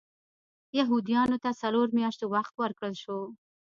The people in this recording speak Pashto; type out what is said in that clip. یهودیانو ته څلور میاشتې وخت ورکړل شو.